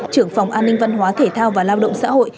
trưởng phòng an ninh văn hóa thể thao và lao động xã hội